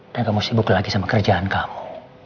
dan kamu sibuk lagi sama kerjaan kamu